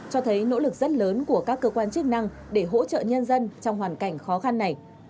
cho thấy nỗ lực rất lớn của các cơ quan chức năng để hỗ trợ nhân dân trong hoàn cảnh khó khăn này